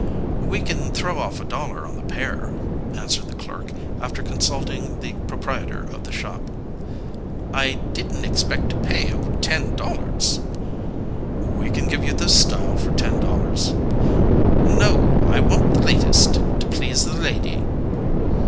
"We can throw off a dollar on the pair," answered the clerk, after consulting the proprietor of the shop. "I didn't expect to pay over ten dollars." "We can give you this style for ten dollars." "No, I want the latest to please the lady."